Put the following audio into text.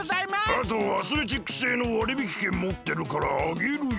あとアスレチック星のわりびきけんもってるからあげるよ。